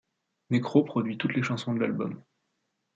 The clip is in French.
Necro produit toutes les chansons de l'album.